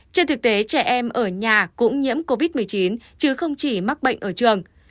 trên thực tế trẻ em ở nhà cũng nhiễm covid một mươi chín chứ không chỉ mắc bệnh ở trường